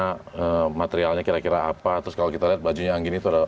perbeberannya kira kira apa terus kalau kita bajunya angin itu